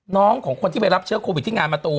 ของคนที่ไปรับเชื้อโควิดที่งานประตู